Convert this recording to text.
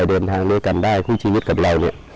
เดินทางด้วยกันได้ซึ่งชีวิตกับเราเนี่ย